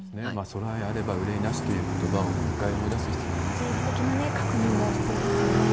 備えあれば憂いなしということばを、もう一回思い出す必要が定期的な確認も必要ですよね。